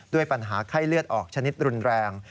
ด้วยปัญหาไข้เลือดออกชนิดรุนแรง